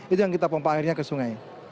itu yang kita pompa airnya ke sungai